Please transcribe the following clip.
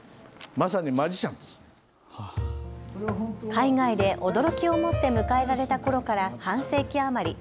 海外で驚きをもって迎えられたころから半世紀余り。